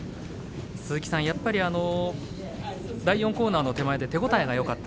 鈴木さん、やっぱり第４コーナーの手前で手応えがよかった。